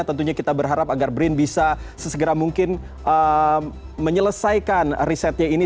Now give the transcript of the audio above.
tentunya kita berharap agar brin bisa sesegera mungkin menyelesaikan risetnya ini